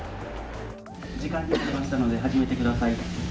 時間になりましたので始めて下さい。